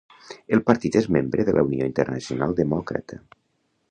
El partit és membre de la Unió Internacional Demòcrata.